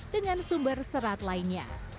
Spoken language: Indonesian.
dengan sumber serat lainnya